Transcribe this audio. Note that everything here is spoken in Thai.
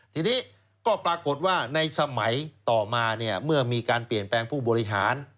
ทีนี้ก็ปรากฏว่าในสมัยต่อมาเนี่ยเมื่อมีการเปลี่ยนแปลงผู้บริหาร